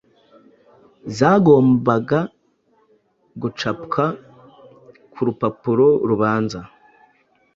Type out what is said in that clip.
zagombaga gucapwa ku urupapuro rubanza